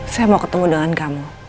saya mau ketemu dengan kamu